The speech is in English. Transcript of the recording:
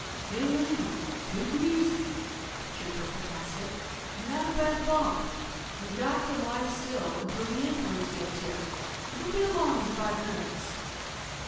"Hey, lady, take it easy!" the Trooper protested. "You had a bad bump. You got to lie still until the ambulance gets here. It'll be along in five minutes."